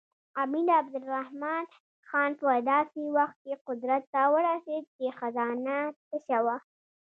امیر عبدالرحمن خان په داسې وخت کې قدرت ته ورسېد چې خزانه تشه وه.